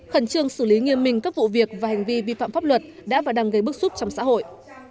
khẩn trương xử lý nghiêm minh các vụ việc và hành vi vi phạm pháp luật đã và đang gây bức xúc trong xã hội